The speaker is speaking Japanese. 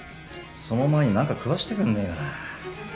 その前に何か食わせてくんねえかな。